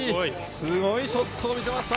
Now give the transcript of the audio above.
すごいショットを見せました。